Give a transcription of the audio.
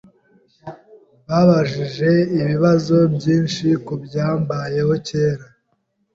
Babajije ibibazo byinshi kubyambayeho kera.